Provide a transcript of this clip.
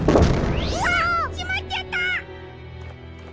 しまっちゃった！